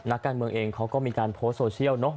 นักการเมืองเองเขาก็มีการโพสต์โซเชียลเนอะ